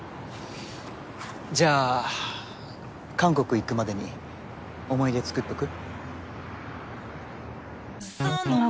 じゃあ韓国行くまでに思い出作っとく？